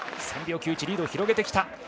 ３秒９１リードを広げてきた。